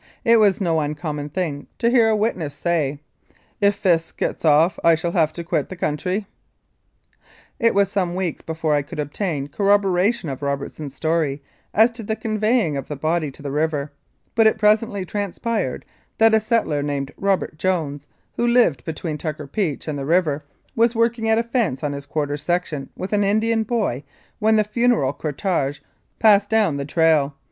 It was no uncommon thing to hear a witness say, "If Fisk gets off I shall have to quit the country." It was some weeks before I could obtain corrobora tion of Robertson's story as to the conveying of the body to the river, but it presently transpired that a settler named Robert Jones, who lived between Tucker Peach and the river, was working at a fence on his quarter section with an Indian boy when the funeral cortege passed down the trail.